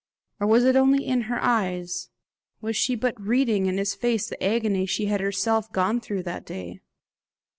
Or was it only in her eyes was she but reading in his face the agony she had herself gone through that day?